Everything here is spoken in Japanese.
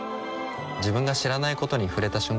自分が知らないことに触れた瞬間